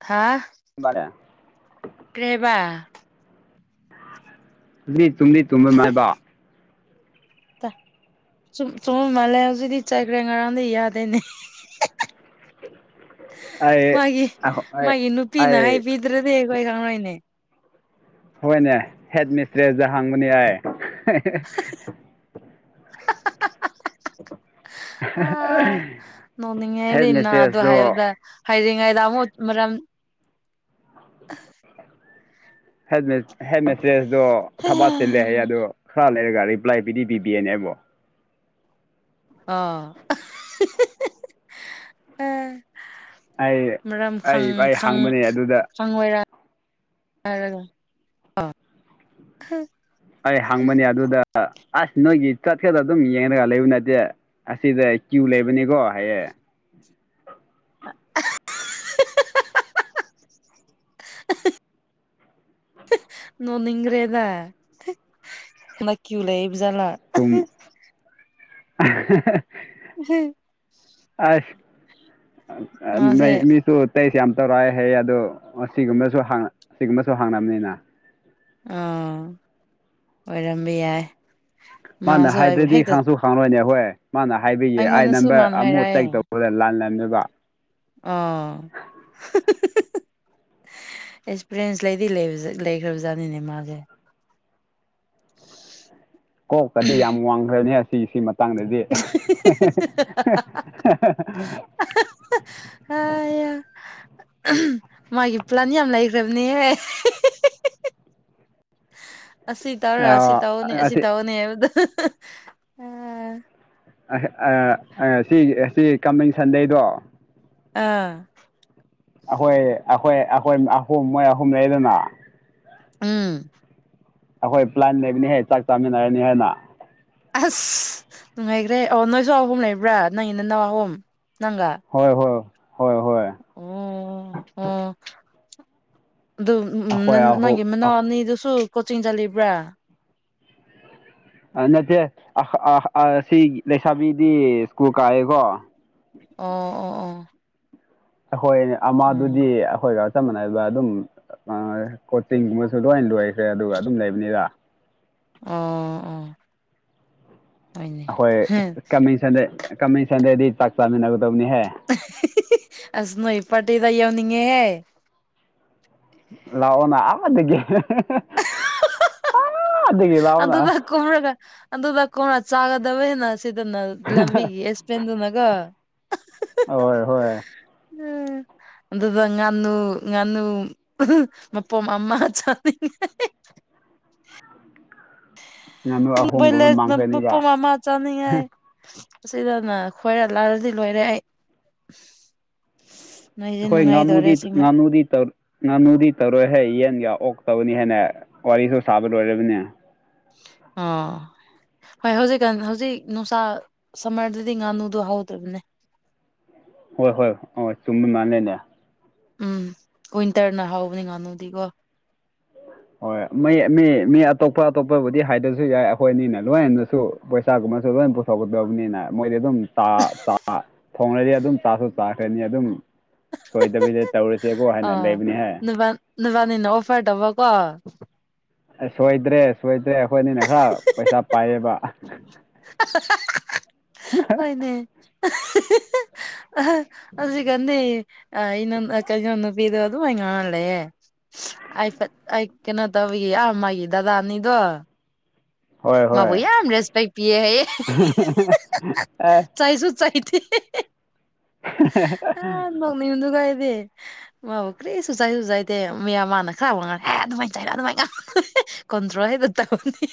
ꯍꯥꯥ ꯔꯦ ꯇꯦꯕꯥ ꯇꯨꯝꯗꯤ ꯇꯨꯝꯕ ꯃꯥꯏꯕ ꯁꯨꯝ ꯁꯨꯝ ꯃꯥꯜꯂꯦ ꯍꯧꯖꯤꯛꯇꯗꯤ ꯆꯥꯏꯈ꯭ꯔꯦ ꯉꯔꯥꯡꯗ ꯌꯥꯗꯦꯅꯦ ꯑꯩ ꯃꯥꯒꯤ ꯑꯩ ꯃꯥꯒꯤ ꯅꯨꯄꯤꯅ ꯑꯩ ꯍꯥꯏꯕꯤ ꯑꯗꯨꯗꯗꯤ ꯑꯩꯈꯣꯏ ꯀꯉ ꯑꯣꯏꯅꯦ ꯍꯣꯏꯅꯦ ꯍꯦꯠ ꯃꯤꯁꯇ꯭ꯔꯦꯁꯖ ꯍꯥꯡꯕꯅꯤ ꯌꯥꯏ [unintelligible] ꯑ ꯍꯦꯠ ꯅꯣꯡꯅꯤꯡꯉꯩꯗꯤꯅ ꯑꯗꯨ ꯃꯤꯁꯇ꯭ꯔꯦꯁꯇꯣ ꯍꯥꯏꯕꯗ ꯍꯥꯏꯔꯤꯉꯩꯗ ꯑꯃꯨꯛ ꯃꯔꯝ ꯍꯦꯠ ꯍꯦꯠ ꯃꯦꯁꯇ꯭ꯔꯦꯁꯗꯣ ꯊꯕꯥ ꯆꯤꯂꯦ ꯍꯥꯏꯌꯦ ꯑꯗꯣ ꯈꯔ ꯂꯩꯔꯒ ꯔꯤꯄ꯭ꯂꯥꯏ ꯄꯤꯗꯤ ꯄꯤꯕꯤꯌꯦꯅꯦꯕꯣ ꯑꯣ ꯑ ꯑꯩ ꯃꯔꯝ ꯑꯩ ꯑꯩ ꯍꯪꯕꯅꯦ ꯑꯗꯨꯗ ꯈꯣꯏꯔꯥꯡ ꯍꯥꯏꯔꯒ ꯑꯩ ꯍꯪꯕꯅꯦ ꯑꯗꯨꯗ ꯑꯁ ꯅꯣꯏꯒꯤ ꯆꯠꯈꯗ ꯑꯗꯨꯝ ꯌꯦꯡꯉꯒ ꯂꯩꯕ ꯅꯠꯇꯦ ꯑꯁꯤꯗ ꯀ꯭ꯌꯨ ꯂꯩꯕꯅꯤꯀꯣ ꯍꯥꯏꯌꯦꯡ [inaudible] ꯅꯣꯅꯤꯡꯈ꯭ꯔꯦꯗ ꯅ ꯀ꯭ꯌꯨ ꯂꯩꯕꯖꯂ ꯇꯨꯝ [unintelligible] ꯑꯁ ꯃꯥꯁꯦ ꯅꯩ ꯃꯤꯁꯨ ꯑꯇꯩꯁꯦ ꯌꯥꯝ ꯇꯧꯔꯛꯑ ꯍꯌꯦ ꯑꯗꯣ ꯁꯤꯒꯨꯝꯕꯁꯨ ꯁꯤꯒꯨꯝꯕꯁꯨ ꯍꯥꯡꯅꯕꯅꯤꯅ ꯑ ꯑꯣꯏꯔꯝꯕ ꯌꯥꯏ ꯃꯥꯅ ꯃꯥꯁꯨ ꯑꯩꯕꯨ ꯍꯥꯏꯗ꯭ꯔꯗꯤ ꯍꯦꯛꯇ ꯈꯪꯁꯨ ꯈꯪꯪꯂꯣꯏꯅꯦ ꯍꯣꯏ ꯃꯥꯅ ꯍꯥꯏꯕꯤꯌꯦ ꯑꯥꯏ ꯑꯩꯉꯣꯟꯗꯁꯨ ꯅꯝꯕꯔ ꯃꯥꯅ ꯑꯃꯨꯛ ꯍꯥꯏꯔꯛꯑꯦ ꯆꯦꯛ ꯇꯧ ꯑꯩꯈꯣꯏ ꯂꯥꯟ ꯂꯃꯤꯕ ꯑ ꯑꯦꯛꯁꯄꯤꯔꯤꯌꯦꯟꯁ ꯂꯩꯗꯤ ꯂꯩꯈ꯭ꯔꯕ ꯖꯥꯠꯅꯤꯅꯦ ꯃꯥꯁꯦ ꯀꯣꯛꯀꯗꯤ ꯌꯥꯝ ꯋꯥꯡꯈ꯭ꯔꯅꯤ ꯑꯁꯤꯒꯤ ꯁꯤ ꯃꯇꯥꯡꯗꯗꯤ [inaudible] ꯑ ꯃꯥꯒꯤ ꯄ꯭ꯂꯥꯟ ꯌꯥꯝ ꯂꯩꯈ꯭ꯔꯕꯅꯦꯍ ꯑꯁꯤ ꯇꯧꯔ ꯑꯁꯤ ꯇꯧꯔꯅꯤ ꯑꯁꯤ ꯇꯧꯔꯅꯤ ꯍꯥꯏꯕꯗ ꯁꯤ ꯁꯤ ꯀꯃꯤꯡ ꯁꯟꯗꯦꯗꯣ ꯑꯥ ꯑꯩꯈꯣꯏ ꯑꯩꯈꯣꯏ ꯑꯩꯈꯣꯏ ꯑꯍꯨꯝ ꯃꯣꯏ ꯑꯍꯨꯝ ꯂꯩꯗꯅ ꯎꯝ ꯑꯩꯈꯣꯏ ꯄ꯭ꯂꯥꯟ ꯂꯩꯕꯅꯤꯍꯦ ꯆꯥꯛ ꯆꯥꯃꯤꯟꯅꯔꯅꯤ ꯍꯥꯏꯅ ꯑꯁ ꯅꯨꯡꯉꯥꯏꯈ꯭ꯔꯦ ꯑꯣ ꯅꯣꯏꯁꯨ ꯑꯍꯨꯝ ꯂꯩꯕ꯭ꯔꯥ ꯅꯪꯒꯤ ꯅ ꯅꯋꯥꯍꯨꯝ ꯅꯪꯒ ꯍꯣꯏ ꯍꯣꯏ ꯍꯣꯏ ꯍꯣꯏ ꯑꯣ ꯑꯣ ꯑꯗꯨ ꯑꯩꯈꯣꯏ ꯑꯍꯨꯝ ꯅꯪꯒꯤ ꯃꯅꯥꯎ ꯑꯅꯤꯗꯨꯁꯨ ꯀꯣꯆꯤꯡ ꯆꯠꯂꯤꯕ꯭ꯔꯥ ꯅꯠꯇꯦ ꯁꯤ ꯂꯩꯁꯥꯕꯤꯗꯤ ꯁ꯭ꯀꯨꯜ ꯀꯥꯏꯑꯦꯀꯣ ꯑꯣ ꯑꯣ ꯑꯣ ꯑꯩꯈꯣꯏꯅꯦ ꯑꯣ ꯑꯃꯗꯨꯗꯤ ꯑꯩꯈꯣꯏ ꯆꯞ ꯃꯥꯟꯅꯕ ꯑꯗꯨꯝ ꯀꯣꯆꯤꯡꯒꯨꯝꯕꯁꯨ ꯂꯣꯏꯅ ꯂꯣꯏꯈ꯭ꯔꯦ ꯑꯗꯨꯒ ꯑꯗꯨꯝ ꯂꯩꯕꯅꯤꯔ ꯎꯝ ꯎꯝ ꯍꯣꯏ ꯀꯃꯤꯡ ꯁꯟꯗꯦ ꯀꯃꯤꯡ ꯁꯟꯗꯦꯗꯤ ꯆꯥꯛ ꯆꯥꯃꯤꯟꯅꯒꯗꯕꯅꯤꯍꯦ ꯑꯁ ꯅꯣ ꯏꯄꯥꯇꯤꯗꯎꯅꯤꯉꯦ ꯂꯥꯛꯑꯣꯅ ꯑꯃꯗꯒꯤ ꯎ ꯑꯥꯗꯒꯤ ꯂꯥꯛꯑꯣꯅ ꯑꯗꯨꯗ ꯀꯣꯔꯒ ꯑꯗꯨꯗ ꯀꯣꯔ ꯆꯥꯒꯗꯕꯅ ꯁꯤꯗꯅ ꯂꯝꯕꯤꯒꯤ ꯌꯦꯁ ꯄꯦꯟꯗꯅꯒꯣ ꯍꯣꯏ ꯍꯣꯏ ꯎꯝ ꯑꯗꯨꯗ ꯉꯥꯅꯨ ꯉꯥꯅꯨ ꯃꯄꯣꯝ ꯑꯃ ꯆꯅꯤꯡ ꯉꯥꯅꯨ ꯑꯍꯨꯝꯒꯨꯝꯕ ꯃꯥꯡꯈ꯭ꯔꯅꯤꯕ [unintelligible] ꯑꯁꯤꯗꯅ ꯈꯣꯏꯔ ꯂꯥꯜꯂꯗꯤ ꯂꯣꯏꯔꯦ ꯑꯩ ꯅꯣꯏꯗꯤ ꯍꯣꯏ ꯅꯨꯡꯉꯥꯏꯗꯧꯔꯦ ꯉꯥꯅꯨꯗꯤ ꯑꯁꯦꯡꯕ ꯉꯥꯅꯨꯗꯤ ꯇꯧꯔ ꯉꯥꯅꯨꯗꯤ ꯇꯧꯔꯣꯏꯍꯦ ꯌꯦꯟꯒ ꯑꯣꯛꯛꯇꯕꯅꯤ ꯍꯥꯏꯦꯅ ꯋꯥꯔꯤꯁꯨ ꯁꯥꯕ ꯂꯣꯏꯔꯕꯅꯦ ꯑꯥ ꯍꯣꯏ ꯍꯧꯖꯤꯛꯀꯥꯟ ꯍꯧꯖꯤꯛ ꯅꯨꯡꯁꯥ ꯁꯝꯃꯔꯗꯗꯤ ꯉꯥꯅꯨꯗꯣ ꯍꯧꯗꯕꯅꯦ ꯍꯣꯏ ꯍꯣꯏ ꯍꯣꯏ ꯆꯨꯝꯕ ꯃꯥꯜꯂꯦꯅꯦ ꯎꯝ ꯋꯤꯟꯇꯔꯅ ꯍꯥꯎꯕꯅꯤ ꯉꯥꯅꯨꯗꯤꯀꯣ ꯍꯣꯏ ꯃꯤ ꯃꯤ ꯃꯤ ꯑꯇꯣꯞꯄ ꯑꯇꯣꯞꯄꯕꯨꯗꯤ ꯍꯥꯏꯗꯁꯨ ꯌꯥꯏ ꯑꯩꯈꯣꯏ ꯑꯅꯤꯅ ꯂꯣꯏꯅꯁꯨ ꯄꯩꯁꯥꯒꯨꯝꯕꯁꯨ ꯂꯣꯏꯝ ꯄꯨꯊꯣꯛꯀꯗꯕꯅꯤꯅ ꯃꯣꯏꯗꯤ ꯑꯗꯨꯝ ꯥ ꯆ ꯊꯣꯡꯡꯂꯗꯤ ꯑꯗꯨꯝ ꯆꯥꯁꯨ ꯆꯥꯈ꯭ꯔꯅꯤ ꯑꯗꯨꯝ ꯁꯣꯏꯗꯕꯤꯗ ꯇꯧꯔꯁꯦꯕꯨ ꯍꯥꯏꯅ ꯂꯩꯕꯅꯤ ꯍꯦ ꯅꯕꯟꯅꯤꯅ ꯑꯣꯐꯔ ꯇꯧꯕ ꯀꯣ ꯑ ꯁꯣꯏꯗ꯭ꯔꯦ ꯁꯣꯏꯗ꯭ꯔꯦ ꯑꯩꯈꯣꯏ ꯑꯅꯤꯅ ꯈꯔ ꯄꯩꯁꯥ ꯄꯥꯏꯌꯦꯕ ꯍꯣꯏꯅꯦ ꯑ ꯑꯗꯨ ꯀꯟꯗꯤ ꯑ ꯏꯅꯣ ꯀꯩꯅꯣ ꯅꯨꯄꯤꯗ ꯑ ꯑꯗꯨ ꯉꯥꯡꯉꯥꯂꯩꯌꯦ ꯑꯩ ꯑꯩ ꯀꯩꯅꯣ ꯇꯧꯏ ꯑꯥ ꯃꯥꯒꯤ ꯗꯗꯥ ꯑꯅꯤꯗꯣ ꯍꯣꯏ ꯃꯥꯕꯨ ꯍꯣꯏ ꯌꯥꯝ ꯔꯦꯁꯄꯦꯛ ꯄꯤꯌꯦ ꯑꯩ ꯑꯦ ꯆꯥꯏꯁꯨ ꯆꯥꯏꯊꯦ ꯑ ꯅꯣꯛꯅꯤꯗꯨꯒ ꯑꯩꯗꯤ ꯃꯥꯕꯨ ꯀ꯭ꯔꯤꯁꯨ ꯆꯥꯏꯁꯨ ꯆꯥꯏꯗꯦ ꯃꯤꯌꯥꯝ ꯃꯥꯥꯟꯅ ꯈꯔꯕ ꯉꯔꯦ ꯍꯦ ꯑꯗꯨꯃꯥꯏꯅ ꯆꯥꯏꯔ ꯑꯗꯨꯃꯥꯏꯅ ꯀꯣꯟꯗ꯭ꯔꯣꯑꯦꯗ ꯇꯧꯅꯤ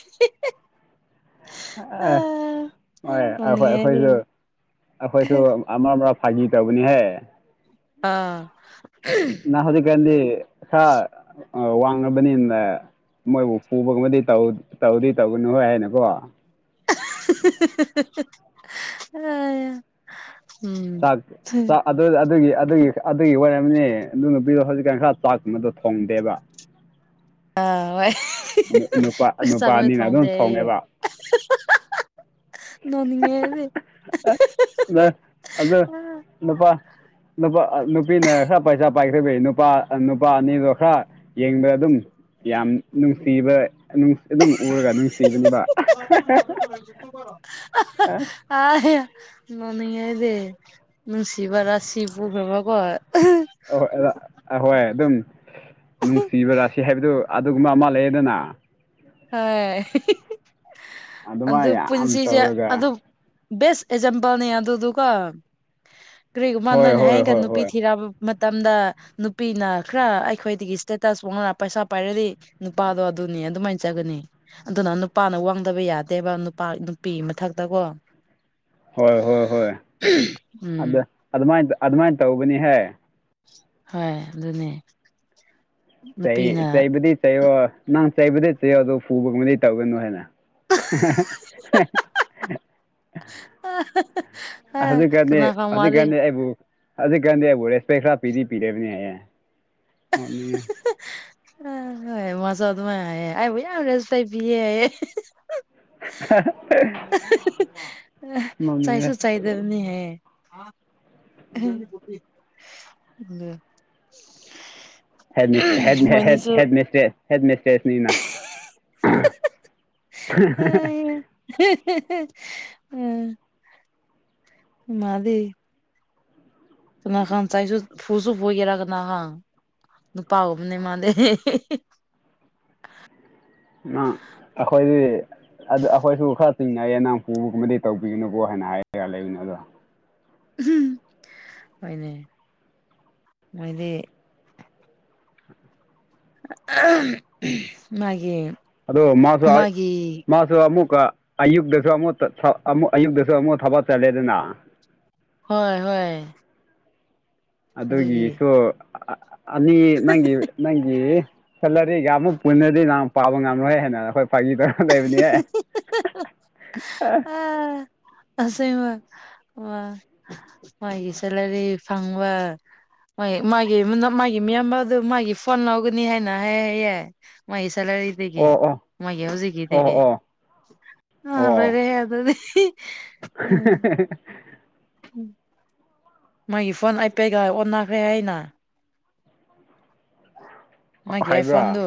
ꯑꯦ ꯑꯥ ꯍꯣꯏ ꯑꯩꯈꯣꯏ ꯅꯣꯛꯅꯤꯡꯉꯦ ꯑꯩꯗꯤ ꯑꯩꯈꯣꯏꯁꯨ ꯑꯩꯈꯣꯏꯁꯨ ꯑꯥꯃꯔꯛ ꯑꯥꯃꯔꯛ ꯐꯥꯒꯤ ꯇꯧꯕꯅꯤꯍꯦ ꯑꯥ ꯅ ꯍꯧꯖꯤꯛꯀꯥꯟꯗꯤ ꯈꯔ ꯋꯥꯡꯉꯥꯕꯅꯤꯅ ꯃꯣꯏꯕꯨ ꯄꯨꯕꯒꯨꯝꯕꯗꯤ ꯇꯧꯗꯤ ꯇꯧꯒꯅꯨ ꯍꯣꯏ ꯍꯥꯏꯅꯀꯣ ꯑ [unintelligible] ꯊꯥꯛ [inaudible] [unintelligible] ꯑꯗꯨ ꯑꯗꯨꯒꯤ ꯑꯗꯨꯒꯤ ꯑꯗꯨꯒꯤ ꯑꯣꯏꯝꯅꯤ ꯑꯗꯨ ꯅꯨꯄꯤꯗꯣ ꯍꯧꯖꯤꯛꯀꯥꯟ ꯈꯔ ꯆꯥꯛꯇꯕꯗꯣ ꯊꯣꯡꯗꯦꯕ ꯑꯥ ꯍꯣꯢ ꯅꯨꯄꯥ ꯆꯥꯛꯜꯣꯏ ꯅꯨꯄꯥꯅꯤꯅ ꯑꯗꯨꯝ ꯊꯣꯡꯗꯦ ꯊꯣꯡꯉꯦꯕ ꯅꯣꯅꯤꯡꯉꯦ ꯑꯩꯗꯤ ꯑꯗꯨ ꯅꯨꯄꯥ ꯅꯨꯄꯥ ꯅꯨꯄꯤꯅ ꯈꯔ ꯄꯩꯁꯥ ꯄꯥꯏꯈꯈꯤꯕꯩ ꯅꯨꯄꯥ ꯅꯨꯄꯥ ꯑꯅꯤꯗꯣ ꯈꯔ ꯌꯦꯡꯗꯔ ꯑꯗꯨꯝ ꯌꯥꯝ ꯅꯨꯡꯁꯤꯕ ꯑꯗꯨꯝ ꯎꯔꯒ ꯅꯨꯡꯁꯤꯕꯅꯤꯕ ꯨꯡ ꯀꯣ [unintelligible] ꯑ ꯑ ꯃꯃꯤꯍꯥꯏꯗꯤ ꯅꯨꯡꯁꯤꯕꯔꯥꯁꯤꯕꯨꯔꯈ꯭ꯔꯕꯀꯣ ꯑꯍꯣꯏ ꯑꯍꯣꯏ ꯑꯗꯨꯝ ꯅꯨꯡꯁꯤꯕꯔꯥꯁꯤ ꯍꯥꯏꯕꯗꯨ ꯑꯗꯨꯒꯨꯝꯕ ꯑꯃ ꯂꯩꯌꯦꯗꯅ ꯍꯣꯏ ꯑꯗꯨ ꯑꯗꯨꯃꯥꯏꯅ ꯌꯥꯝ ꯄꯨꯟꯁꯤꯁꯦ ꯇꯧꯔꯒ ꯑꯗꯨꯝ ꯕꯦꯁ ꯑꯦꯛꯖꯥꯝꯄꯜꯅꯦ ꯑꯗꯨꯗꯨꯀꯣ ꯀꯔꯤꯒꯨꯝꯕ ꯍꯣꯏ ꯅꯣꯏꯅ ꯍꯣꯏ ꯍꯥꯏꯌꯦ ꯍꯣꯏ ꯀꯥꯟꯗ ꯅꯨꯄꯤ ꯍꯣꯏ ꯊꯤꯔꯛꯕ ꯃꯇꯝꯗ ꯅꯨꯄꯤꯅ ꯈꯔ ꯑꯩꯈꯣꯏꯗꯒꯤ ꯏꯁꯇꯦꯇꯁ ꯋꯥꯡꯂ ꯄꯩꯁꯥ ꯄꯥꯏꯔꯗꯤ ꯅꯨꯄꯥꯗꯣ ꯑꯗꯨꯅꯤ ꯑꯗꯨꯃꯥꯏꯅ ꯆꯠꯆꯒꯅꯤ ꯑꯗꯨꯅ ꯅꯨꯄꯥꯅ ꯋꯥꯡꯗꯕ ꯌꯥꯗꯦꯕ ꯅꯨꯄꯥ ꯅꯨꯄꯤ ꯃꯊꯛꯇ ꯀꯣ ꯍꯣꯏ ꯍꯣꯏ ꯍꯣꯏ ꯑꯗ ꯎꯝ ꯑꯗꯨꯃꯥꯏꯅ ꯑꯗꯨꯃꯥꯏꯅ ꯇꯧꯕꯅꯤꯍꯦ ꯍꯣꯏ ꯑꯗꯨꯅꯦ ꯅꯨꯄꯤꯅ ꯆꯩ ꯆꯩꯕꯗꯤ ꯆꯩꯌꯣ ꯅꯪ ꯆꯩꯕꯗꯤ ꯆꯩꯌꯣꯑꯗꯨ ꯐꯨ ꯄꯨꯕꯒꯨꯝꯕꯗꯤ ꯇꯧꯒꯅꯨ ꯍꯥꯏꯅ ꯑ ꯍꯧꯖꯤꯛꯀꯥꯟꯅꯦ ꯍꯧꯖꯤꯛꯀꯥꯟꯅꯤ ꯑꯩꯕꯨ ꯍꯧꯖꯤꯛ ꯀꯥꯟꯗꯤ ꯑꯩꯕꯨ ꯔꯦꯁꯄꯦꯛ ꯈꯔ ꯄꯤꯗꯤ ꯄꯤꯔꯦꯕꯅꯦ ꯍꯥꯏꯌꯦꯅꯤꯡ ꯑ ꯍꯣꯏ ꯃꯁꯧꯗ ꯃꯥ ꯑꯕꯨ ꯌꯥꯝ ꯔꯦꯁꯇ ꯄꯤ ꯑ ꯑ ꯆꯥꯏꯁꯨ ꯆꯥꯏꯗꯕꯅꯤ ꯍꯦ ꯑ ꯍꯦ ꯍꯦ ꯍꯦ ꯃꯁꯇ꯭ꯔꯦꯁ ꯍꯦꯠ ꯃꯁꯇ꯭ꯔꯦꯁꯅ [inaudible] ꯎꯝ ꯃꯥꯗꯤ ꯆ ꯈꯥꯟ ꯆꯥꯏꯁꯨ ꯐꯨꯁꯨ ꯐꯨꯁꯨꯒꯦꯔꯀꯅꯅꯍ ꯅꯨꯄꯥꯥ ꯎꯨꯝꯅꯦ ꯃꯥꯗꯤ ꯑꯩꯈꯣꯏꯗꯤ ꯑꯗꯨꯗ ꯑꯩꯈꯣꯏꯁꯨ ꯈꯔ ꯆꯤꯡꯅꯩꯌꯦ ꯅꯪ ꯄꯨꯕꯒꯨꯝꯕꯗꯤ ꯇꯧꯕꯤꯒꯅꯨꯀꯣ ꯍꯥꯏꯅ ꯍꯥꯏꯔꯒ ꯂꯩꯕꯅꯤ ꯑꯗꯣ ꯑꯣꯏꯅꯦ ꯃꯣꯏꯗꯤ ꯃꯥꯒꯤ ꯑꯗꯣ ꯃꯥꯁ ꯃꯥꯒꯤ ꯃꯥꯁ ꯑꯃꯨꯛꯀ ꯑꯌꯨꯛꯇꯁꯨ ꯑꯃꯨꯛ ꯑꯃꯨꯛ ꯑꯌꯨꯛꯇꯁꯨ ꯑꯃꯨꯛ ꯊꯕꯛ ꯆꯠꯂꯦꯗꯅ ꯍꯣꯏ ꯍꯣꯏ ꯑꯗꯨꯒꯤ ꯑꯗꯨꯒꯤꯁꯨ ꯑꯅꯤ ꯅꯪꯒꯤ ꯅꯪꯒꯤ ꯁꯦꯂꯔꯤꯒ ꯑꯃꯨꯛ ꯄꯨꯅꯗꯤ ꯅꯪ ꯄꯥꯕ ꯉꯝꯂꯣꯏ ꯍꯥꯏꯅ ꯑꯩꯈꯣꯏ ꯄꯥꯏꯕꯤꯗ ꯂꯩꯕꯅꯦ ꯑꯁ ꯃꯥ ꯁꯂꯔꯤ ꯐꯪꯕ ꯃꯥꯒꯤ ꯃꯥꯒꯤ ꯃꯤꯌꯥꯝꯕ ꯑꯗꯨ ꯃꯥꯒꯤ ꯐꯣꯟ ꯂꯧꯒꯅꯤ ꯍꯥꯏꯅ ꯍꯥꯏ ꯌꯥꯏ ꯃꯩ ꯁꯂꯔꯤ ꯏꯗꯒꯦ ꯑꯣ ꯑꯣ ꯃꯩ ꯍꯎꯖꯤꯒ ꯑꯣ ꯏꯗꯒꯦ ꯑꯣ ꯍꯜꯂ ꯑꯣ ꯑꯗꯨꯗꯤ [inaudible] ꯎꯝ ꯃꯥꯒꯤ ꯐꯣꯟ ꯑꯄꯦꯒ ꯑꯣꯟꯅꯈ꯭ꯔꯦ ꯍꯥꯏꯅ ꯃꯥꯒꯤꯦꯏ ꯍꯥꯏꯕ꯭ꯔꯥ ꯐꯣꯟꯗꯨ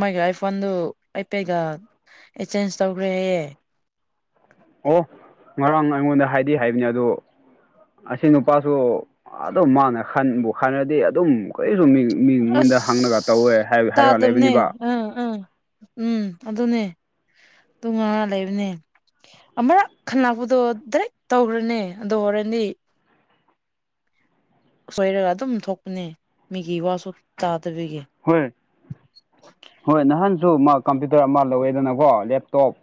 ꯃꯣꯏꯒꯤ ꯑꯥꯏꯐꯣꯟꯗꯨ ꯑꯩ ꯄꯦꯒ ꯑꯦ ꯆꯦꯟꯖ ꯇꯧꯈ꯭ꯔꯦꯍꯌꯦ ꯑꯣ ꯉꯔꯥꯡ ꯑꯩꯉꯣꯟꯗ ꯍꯥꯏꯗꯤ ꯍꯥꯏꯕꯅꯤ ꯑꯗꯣ ꯑꯁꯤ ꯅꯨꯄꯥꯁꯨ ꯑꯗꯨꯝ ꯃꯥꯅ ꯈꯟꯕꯨ ꯈꯜꯔꯗꯤ ꯑꯗꯨꯝ ꯀꯔꯤꯁꯨ ꯃꯤ ꯃꯤꯉꯣꯟꯗ ꯍꯪꯉꯒ ꯇꯧꯋꯦ ꯍꯥꯏꯔ ꯂꯩꯕꯅꯤꯕ ꯎꯝ ꯎꯝ ꯎꯝ ꯑꯗꯨꯅꯦ ꯇ ꯉꯥ ꯂꯩꯕꯅꯦ ꯑꯃꯔꯛ ꯈꯟꯂꯛꯄꯗꯣ ꯗꯥꯏꯔꯦꯛ ꯇꯧꯈ꯭ꯔꯅꯦ ꯑꯗꯨ ꯍꯣꯔꯗꯤ ꯁꯣꯏꯔꯒ ꯑꯗꯨꯝ ꯊꯣꯛꯄꯅꯦ ꯃꯤꯒꯤ ꯋꯥꯁꯨ ꯇꯥꯗꯕꯤꯒꯤ ꯍꯣꯏ ꯍꯣꯏ ꯅꯍꯥꯟꯁꯨ ꯃꯥ ꯀꯝꯄ꯭ꯌꯨꯇꯔ ꯑꯃ ꯂꯧꯋꯦꯗꯅꯀꯣ ꯂꯦꯞꯇꯣꯞ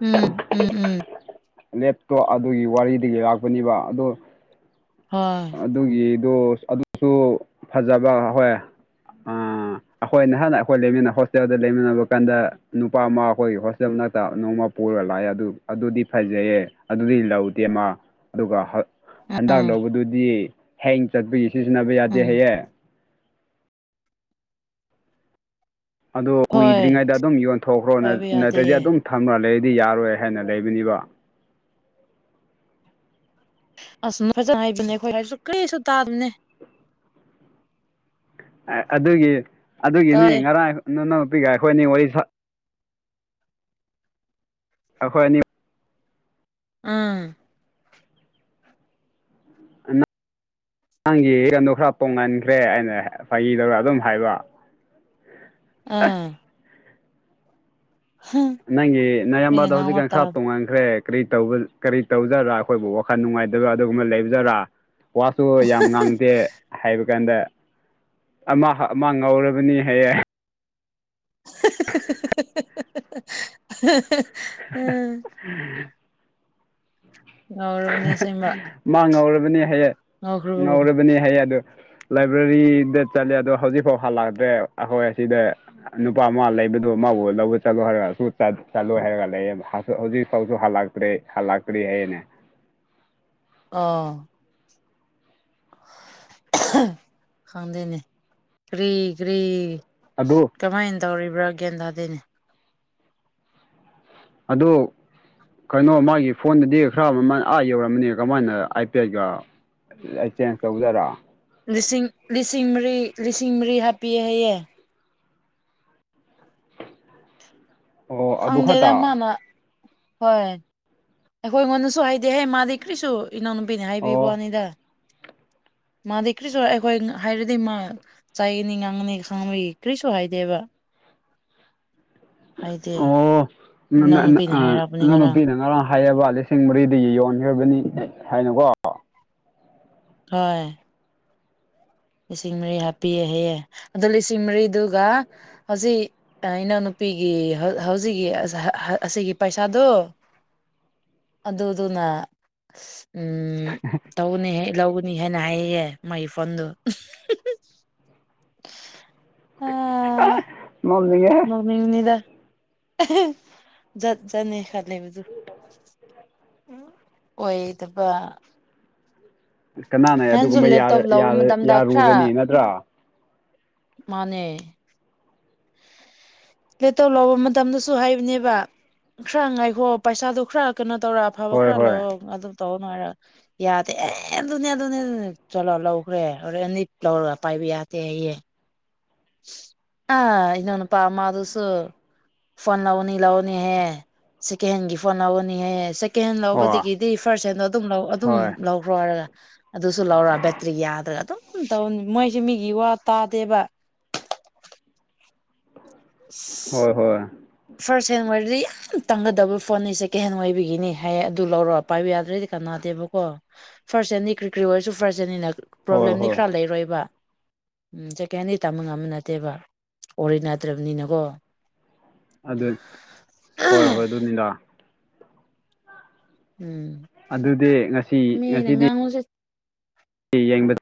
ꯎꯝ ꯎꯝ ꯎꯝ ꯂꯦꯞꯇꯣꯞ ꯑꯗꯨꯒꯤ ꯋꯥꯔꯤꯗꯒꯤ ꯂꯥꯛꯄꯅꯤꯕ ꯑꯗꯨ ꯍ ꯑꯗꯨꯒꯤꯗꯨꯣ ꯑꯗꯨꯁꯨ ꯐꯖꯕ ꯍꯣꯏ ꯑꯩꯈꯣꯏ ꯅꯍꯥꯟ ꯑꯩꯈꯣꯏ ꯂꯩꯃꯤꯟꯅ ꯍꯣꯁꯇꯦꯜꯗ ꯂꯩꯃꯤꯟꯅꯕ ꯀꯥꯟꯗ ꯅꯨꯄꯥ ꯑꯃ ꯑꯩꯈꯣꯏꯒꯤ ꯍꯣꯁꯇꯦꯜ ꯉꯛꯇ ꯅꯣꯡꯃ ꯄꯨꯔꯒ ꯂꯥꯛꯑꯦ ꯑꯗꯨ ꯑꯗꯨꯗꯤ ꯐꯖꯩꯌꯦ ꯑꯗꯨꯗꯤ ꯂꯧꯗꯦ ꯃꯥ ꯑꯗꯨꯒ ꯍꯟꯗꯛ ꯎꯝ ꯂꯧꯕꯗꯨꯗꯤ ꯍꯦꯡ ꯆꯠꯄꯒꯤ ꯁꯤꯖꯤꯟꯅꯕ ꯌꯥꯗꯦ ꯎꯝ ꯍꯌꯦꯡ ꯑꯗꯨꯣ ꯍꯣꯏ ꯀꯨꯏꯗ꯭ꯔꯤꯉꯩꯗ ꯑꯗꯨꯝ ꯌꯣꯟꯊꯣꯛꯈ꯭ꯔꯣ ꯄꯥꯏꯕ ꯅꯠꯇ꯭ꯔꯗꯤ ꯌꯥꯗꯦ ꯑꯗꯨꯝ ꯊꯝꯅ ꯂꯩꯔꯗꯤ ꯌꯥꯔꯣꯏ ꯍꯥꯏꯅ ꯂꯩꯕꯅꯤꯕ ꯑꯁ ꯅ ꯐꯖꯅ ꯍꯥꯏꯩꯕꯅꯦ ꯑꯩꯈꯣꯏ ꯍꯥꯏꯁꯨ ꯀꯩꯁꯨ ꯇꯥꯕꯅꯦ ꯑꯗꯨꯒꯤ ꯑꯗꯨꯒꯤꯅꯤ ꯇꯥꯗꯦ ꯉꯔꯥꯡ ꯅꯨꯅꯄꯤꯒ ꯑꯩꯈꯣꯏꯅꯤ ꯋꯥꯔꯤ ꯑꯩꯈꯣꯏ ꯑꯅꯤ ꯎꯝ ꯅꯪꯒꯤꯔꯟꯗꯣ ꯈꯔ ꯄꯣꯡꯍꯟꯈ꯭ꯔꯦ ꯑꯩꯅ ꯐꯩꯗꯧꯔ ꯑꯗꯨꯝ ꯍꯥꯏꯕ ꯑꯥ ꯅꯪꯒꯤ ꯃꯤꯅ ꯅꯅꯥꯏꯌꯥꯝꯝꯕꯗ ꯉꯥꯡꯕ ꯍꯧꯖꯤꯛꯀꯥꯟ ꯈꯔ ꯇꯥꯕ ꯇꯣꯡꯉꯟꯈ꯭ꯔꯦ ꯀꯔꯤ ꯇꯧꯕ ꯀꯔꯤ ꯇꯧꯖꯔꯥ ꯑꯩꯈꯣꯏꯕꯨ ꯋꯥꯈꯜ ꯅꯨꯡꯉꯥꯏꯇꯕ ꯑꯗꯨꯒꯨꯝꯕ ꯂꯩꯕꯖꯔꯥ ꯋꯥꯁꯨ ꯌꯥꯝ ꯉꯥꯡꯗꯦ ꯍꯥꯏꯕ ꯀꯥꯟꯗ ꯑꯃ ꯑꯃ ꯉꯧꯔꯕꯅꯤ ꯍꯥꯏꯌꯦ [inaudible] ꯍ ꯉꯧꯔꯕꯅꯦ ꯑꯁꯦꯡꯕ ꯃꯥ ꯉꯧꯔꯕꯅꯤ ꯍꯥꯏꯌꯦ ꯉꯧꯈ꯭ꯔꯕꯒꯨꯝ ꯉꯧꯔꯕꯅꯤ ꯍꯥꯏꯌꯦ ꯑꯗꯨ ꯂꯥꯏꯕ꯭ꯔꯦꯔꯤꯗ ꯆꯠꯂ ꯑꯗꯣ ꯍꯧꯖꯤꯛꯐꯥꯎ ꯍꯜꯂꯛꯑꯗ꯭ꯔꯦ ꯑꯩꯈꯣꯏ ꯑꯁꯤꯗ ꯅꯨꯄꯥ ꯑꯃ ꯂꯩꯕꯗꯨꯣ ꯃꯥꯕꯨ ꯂꯧꯕ ꯆꯠꯂꯨ ꯍꯥꯏꯔꯒ ꯆꯠꯂꯨ ꯍꯥꯏꯔꯒ ꯂꯩꯌꯦꯕ ꯍꯧꯖꯤꯛ ꯐꯥꯎꯁꯨ ꯍꯜꯂ ꯍꯥꯂꯀꯔꯤ ꯍꯥꯏꯌꯦꯅꯦ ꯑ ꯈꯪꯗꯅꯦ ꯀꯔꯤ ꯀꯔꯤ ꯑꯗꯨ ꯀꯃꯥꯏꯅ ꯇꯧꯔꯤꯕ꯭ꯔꯥ ꯒꯦꯟꯗꯥꯗꯅꯦ ꯑꯗꯣ ꯀꯩꯅꯣ ꯃꯥꯒꯤ ꯐꯣꯟꯗꯗꯤ ꯈꯔ ꯑꯃꯃꯜ ꯑꯥ ꯌꯧꯔꯝꯕꯅꯤ ꯀꯃꯥꯏꯅ ꯑꯥꯏ ꯄꯤ ꯑꯥꯏꯒ ꯑꯩ ꯆꯦꯟꯖ ꯇꯧꯖꯔ ꯂꯤꯁꯤꯡ ꯂꯤꯁꯤꯡ ꯃꯔꯤ ꯂꯤꯁꯤꯡ ꯃꯔꯤ ꯍꯥꯞꯄꯤꯑꯦ ꯍꯌꯦꯦ ꯑꯣ ꯑꯗꯨ ꯈꯪꯗꯦꯗ ꯈꯛꯇ ꯃꯥꯅ ꯍꯣꯏ ꯑꯩꯈꯣꯏꯉꯣꯟꯗꯁꯨ ꯍꯥꯏꯗꯦꯍꯦ ꯃꯥꯗꯤ ꯀꯔꯤꯁꯨ ꯏꯅꯥꯎꯅꯨꯄꯤꯅ ꯍꯥꯏꯕꯤꯕ ꯑꯣ ꯋꯥꯅꯤꯗ ꯃꯥꯗꯤ ꯀ꯭ꯔꯤꯁꯨ ꯑꯩꯈꯣꯏ ꯍꯥꯏꯔꯗꯤ ꯃꯥ ꯆꯩꯅꯤ ꯉꯥꯡꯒꯅꯤ ꯈꯥꯡꯕꯒꯤ ꯀ꯭ꯔꯤꯁꯨ ꯍꯥꯏꯗꯦꯕ ꯍꯥꯏꯗꯦ [unintelligible] ꯏꯅꯥꯎ ꯅꯨꯄꯤꯅ ꯍꯥꯏꯔꯛꯄꯅꯤ ꯉꯔꯥꯡ ꯍꯥꯏꯔꯕ ꯂꯤꯁꯤꯡ ꯃꯔꯤꯗꯒꯤ ꯌꯣꯟꯈ꯭ꯔꯕꯅꯤ ꯍꯥꯏꯅꯀꯣ ꯍꯣꯏ ꯂꯤꯁꯤꯡ ꯃꯔꯤ ꯍꯥꯞꯄꯤꯑ ꯍꯌꯦꯑꯦ ꯑꯗꯣ ꯂꯤꯁꯤꯡ ꯃꯔꯤꯗꯨꯒ ꯍꯧꯖꯤꯛ ꯏꯅꯥꯎꯅꯨꯄꯤꯒꯤ ꯍꯧꯖꯤꯛꯀꯤ ꯑꯁꯤꯒꯤ ꯄꯩꯁꯥꯗꯨꯣ ꯑꯗꯨ ꯑꯗꯨꯅ ꯎꯝ ꯇꯧꯅꯦꯍꯦ ꯂꯧꯅꯤꯍꯦꯅ ꯍꯥꯏꯌꯦꯌꯦ ꯃꯥꯒꯤ ꯐꯣꯟꯗꯨ [inaudible] [unintelligible] [unintelligible] ꯖꯠ ꯖꯠꯅꯤ ꯈꯜꯂꯦꯕꯗꯨ ꯑꯣꯏꯗꯕ ꯀꯅꯥꯅ ꯅꯍꯥꯟꯁꯨ ꯑꯗꯨꯒꯨꯝꯕ ꯂꯦꯞꯇꯣꯞ ꯌ-ꯌ ꯂꯧꯕ ꯃꯇꯝꯗ ꯌꯥꯔꯨꯒꯅꯤ ꯈꯔ ꯅꯠꯇ꯭ꯔꯥ ꯃꯥꯅꯦ ꯂꯦꯇꯧ ꯂꯧꯕ ꯃꯇꯝꯗꯁꯨ ꯍꯥꯏꯕꯅꯦꯕ ꯈꯔ ꯉꯥꯏꯈꯣ ꯄꯩꯁꯥꯗꯨꯣ ꯈꯔ ꯀꯩꯅꯣ ꯇꯧꯔ ꯑꯐꯕ ꯍꯣꯏ ꯈꯔ ꯍꯣꯏ ꯂꯧꯑꯣ ꯑꯗꯨꯝ ꯇꯧꯑꯣ [unintelligible] ꯌꯥꯗꯦ ꯑꯦ ꯑꯗꯨꯅꯦ ꯑꯗꯨꯅꯦ ꯑꯦꯗꯨꯅꯦ ꯆꯠꯂꯣ ꯂꯧꯈ꯭ꯔꯦ ꯍꯣꯔꯦꯟꯗꯤ ꯂꯧꯔ ꯄꯥꯏꯕ ꯌꯥꯗꯦ ꯍꯥꯌꯦ ꯑ ꯏꯅꯥꯎꯅꯨꯄ ꯑꯃꯗꯨꯁꯨ ꯐꯣꯟ ꯂꯧꯅꯤ ꯂꯧꯅꯤꯍꯦ ꯁꯦꯀꯦꯟꯍꯦꯟꯒꯤ ꯐꯣꯟ ꯂꯧꯒꯅꯤꯍꯦ ꯀꯦꯟ ꯍꯦꯟ ꯑꯣ ꯂꯧꯕꯗꯒꯤꯗꯤ ꯐꯥꯔ꯭ꯁ ꯍꯦꯟꯗꯣ ꯑꯗꯨꯝ ꯂꯧ ꯑꯗꯨꯝ ꯍꯣꯏ ꯂꯧ ꯍꯣꯏꯔꯒ ꯑꯗꯨꯁꯨ ꯂꯧꯔ ꯕꯦꯇ꯭ꯔꯤ ꯌꯥꯗ꯭ꯔꯒ ꯑꯗꯨꯝ ꯇꯧꯅꯤ ꯃꯣꯏꯁꯦ ꯃꯤꯒꯤ ꯋꯥ ꯇꯥꯗꯦꯕ [inaudible] ꯍꯣꯏ ꯍꯣꯏ ꯐꯥꯔ꯭ꯁ ꯍꯦꯟ [unintelligible] ꯇꯪꯒꯗꯕ ꯐꯣꯟꯅꯤ ꯁꯦꯀꯦꯟꯍꯦꯟ ꯑꯣꯏꯕꯤꯒꯤꯅꯤ ꯍꯥꯏ ꯑꯗꯨ ꯂꯧꯔꯣ ꯄꯥꯏꯕ ꯌꯥꯗ꯭ꯔꯗꯤ ꯀꯅꯥꯗꯦꯕꯀꯣ ꯐꯥꯔ꯭ꯁ ꯍꯦꯟꯗꯤ ꯀ꯭ꯔꯤ ꯀ꯭ꯔꯤ ꯑꯣꯏꯔꯁꯨ ꯐꯥꯔ꯭ꯁ ꯍꯦꯟꯅꯤꯅ ꯍꯣꯏ ꯄ꯭ꯔꯣꯕ꯭ꯂꯦꯝꯗꯤ ꯍꯣꯏ ꯈꯔ ꯂꯩꯔꯣꯏꯕ ꯎꯝ ꯁꯦꯀꯦꯟꯗꯤ ꯇꯝꯕ ꯉꯝꯕ ꯅꯠꯇꯦꯕ ꯑꯣꯔꯤ ꯅꯠꯇ꯭ꯔꯕꯅꯤꯅꯀꯣ ꯑꯗꯨꯅꯤ ꯍꯣꯏ ꯍꯣꯏ ꯑꯗꯨꯅꯤꯗꯥ ꯎꯝ ꯑꯗꯨꯗꯤ ꯉꯁꯤ ꯃꯤꯅ ꯉꯁꯤꯗꯤ ꯉꯥꯡꯕꯁꯦ [inaudible]